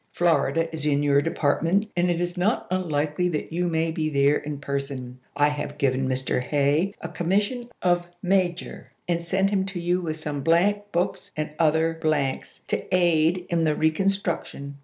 Florida is in your depart ment, and it is not unlikely that you may be there in person. I have given Mr. Hay a commission of major, and sent him to you with some blank books and other blanks, to aid in the reconstruction.